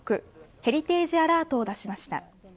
ヘリテージ・アラートを出しました。